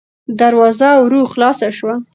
دروازه ورو خلاصه شوه.